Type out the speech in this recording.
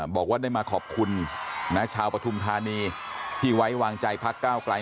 บอกว่าได้มาขอบคุณชาวปฐุมธานีที่ไว้วางใจพักก้าวไกล